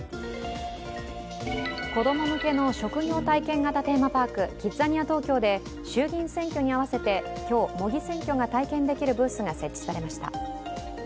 子供向けの職業体験型テーマパーク、キッザニア東京で衆議院選挙に合わせて今日、模擬選挙が体験できるブースが設置されました。